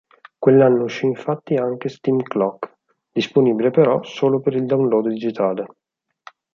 Quell’anno uscì infatti anche "Steam Clock", disponibile però solo per il download digitale.